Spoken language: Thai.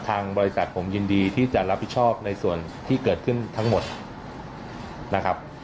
ทางบริษัทผมยินดีที่จะรับผิดชอบในส่วนที่เกิดขึ้นทั้งหมดนะครับ